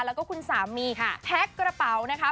แล้วก็คุณสามีแพ็คกระเป๋านะคะ